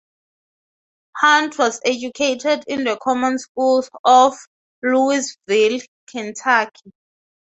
Hunt was educated in the common schools of Louisville, Kentucky.